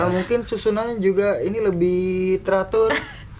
mungkin susunannya juga ini lebih teratur